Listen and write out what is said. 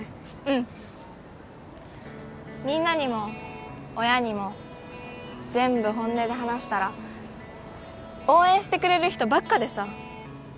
うんみんなにも親にも全部本音で話したら応援してくれる人ばっかでさ